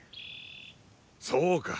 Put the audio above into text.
そうか。